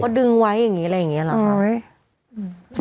ดึงไว้อย่างนี้อะไรอย่างนี้เหรอครับ